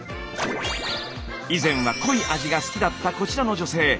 以前は濃い味が好きだったこちらの女性。